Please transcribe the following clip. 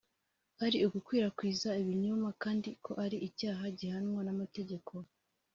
ari ugukwirakwiza ibinyoma kandi ko ari icyaha gihanwa n’amategeko